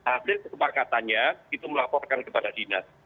hasil kesepakatannya itu melaporkan kepada dinas